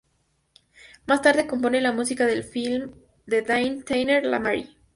Más tarde compone la música del filme de Daniel Tinayre "La Mary".